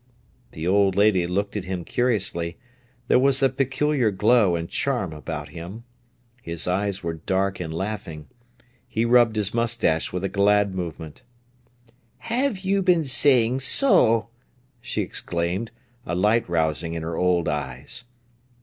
The old lady looked at him curiously. There was a peculiar glow and charm about him. His eyes were dark and laughing. He rubbed his moustache with a glad movement. "Have you been saying so!" she exclaimed, a light rousing in her old eyes.